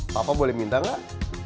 papa boleh minta enggak